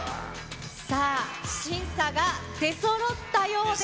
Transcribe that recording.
さあ、審査が出そろったようです。